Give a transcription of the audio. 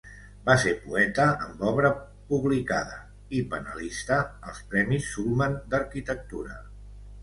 Va ser poeta amb obra publicada i panelista als Premis Sulman d'Arquitectura.